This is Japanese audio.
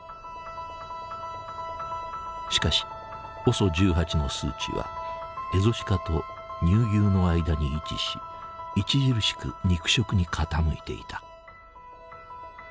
しかしＯＳＯ１８の数値はエゾシカと乳牛の間に位置し著しく肉食に傾いていた。